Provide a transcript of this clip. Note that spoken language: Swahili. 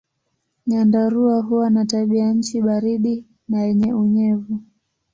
Nyandarua huwa na tabianchi baridi na yenye unyevu.